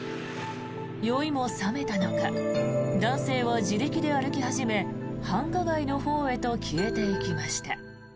酔いもさめたのか男性は自力で歩き始め繁華街のほうへと消えていきました。